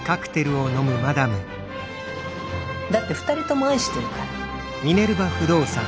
だって二人とも愛してるから。